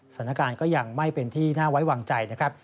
สถานการณ์ก็ยังไม่เป็นที่น่าไว้วางใจนะครับ